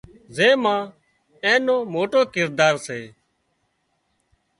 زين ما نو موٽو ڪردار سي